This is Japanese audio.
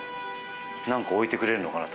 何か置いてくれるのかな